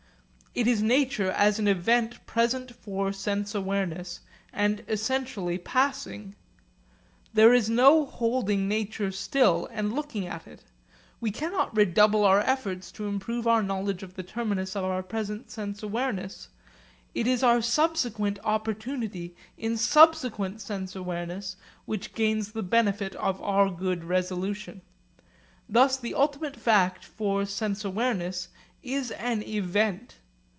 It is nature as an event present for sense awareness, and essentially passing. There is no holding nature still and looking at it. We cannot redouble our efforts to improve our knowledge of the terminus of our present sense awareness; it is our subsequent opportunity in subsequent sense awareness which gains the benefit of our good resolution. Thus the ultimate fact for sense awareness is an event.